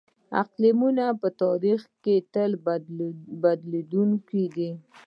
اقلیم په تاریخ کې تل بدلیدونکی دی.